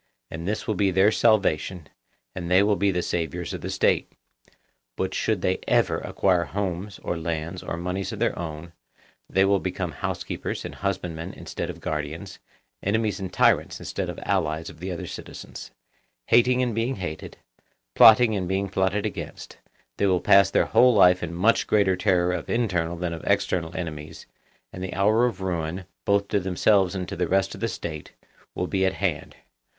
And this will be their salvation, and they will be the saviours of the State. But should they ever acquire homes or lands or moneys of their own, they will become housekeepers and husbandmen instead of guardians, enemies and tyrants instead of allies of the other citizens; hating and being hated, plotting and being plotted against, they will pass their whole life in much greater terror of internal than of external enemies, and the hour of ruin, both to themselves and to the rest of the State, will be at hand.